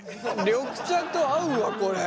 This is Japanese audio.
緑茶と合うわこれ。